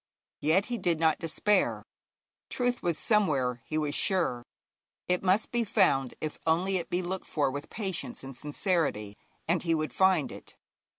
Yet he did not despair. Truth was somewhere, he was sure; it must be found if only it be looked for with patience and sincerity, and he would find it.